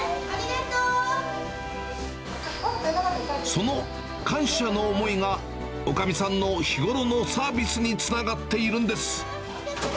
その感謝の思いがおかみさんの日頃のサービスにつながっているんです。